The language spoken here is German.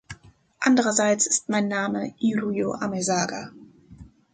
Andererseits ist mein Name Irujo Amezaga.